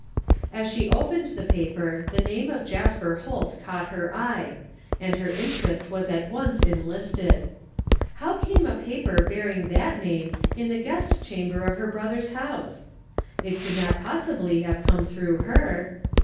As she opened the paper the name of Jasper Holt caught her eye, and her interest was at once enlisted. How came a paper bearing that name in the guest chamber of her brother's house? It could not possibly have come through her.